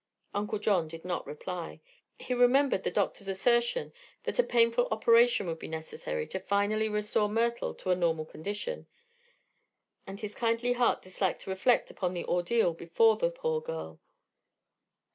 Uncle John did not reply. He remembered the doctor's assertion that a painful operation would be necessary to finally restore Myrtle to a normal condition, and his kindly heart disliked to reflect upon the ordeal before the poor girl.